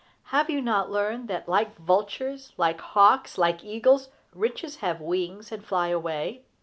have you not learned that, like vultures, like hawks, like eagles, riches have wings and fly away?